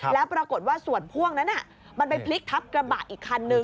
แล้วปรากฏว่าส่วนพ่วงนั้นมันไปพลิกทับกระบะอีกคันนึง